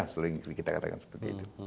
sering kita katakan seperti itu